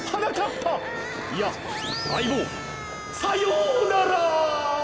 ぱいやあいぼうさようなら！